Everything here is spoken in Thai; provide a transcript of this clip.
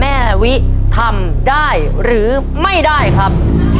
แม่วิทำได้หรือไม่ได้ครับ